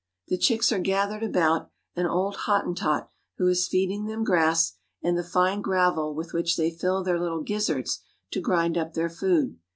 The chicks are gathered about an old Hottentot who is feeding then^ grass and the fine gravel with which they fill their little gizzards to grind up their food.